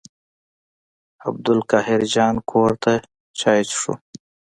عبدالقاهر جان کور ته چای څښلو.